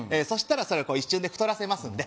そしたらそれを一瞬で太らせます